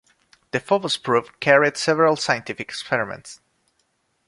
The Phobos probe carried several scientific experiments.